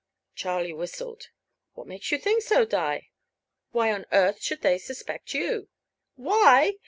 Charlie whistled. "What makes you think so, Di? Why on earth should they suspect you?" "Why?